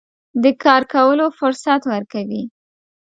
د کار کولو فرصت ورکوي.